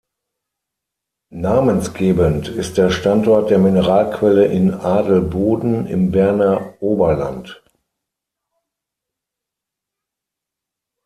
Namensgebend ist der Standort der Mineralquelle in Adelboden im Berner Oberland.